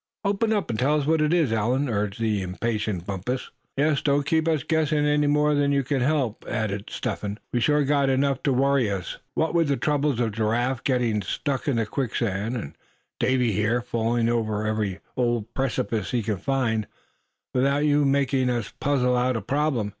"Open up, and tell us what it is, Allan," urged the impatient Bumpus. "Yes, don't keep us guessing any more than you can help," added Step Hen. "We've sure got enough to worry us, what with the troubles of Giraffe getting stuck in that quicksand; and Davy here, falling over every old precipice he can find, without you making us puzzle out a problem.